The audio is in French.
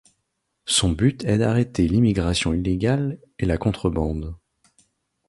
Son but est d'arrêter l'immigration illégale et la contrebande.